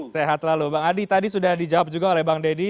sehat selalu bang adi tadi sudah dijawab juga oleh bang deddy